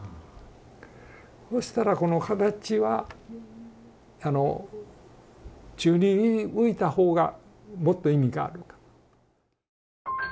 そしたらこの形は宙に浮いた方がもっと意味があるんだ。